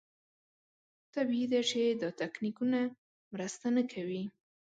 طبیعي ده چې دا تکتیکونه مرسته نه کوي.